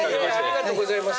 ありがとうございます。